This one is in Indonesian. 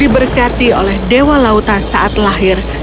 diberkati oleh dewa lautan saat lahir